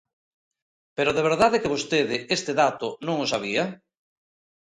¿Pero de verdade que vostede este dato non o sabía?